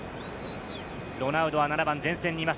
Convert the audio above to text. ロナウドは７番、前線にいます。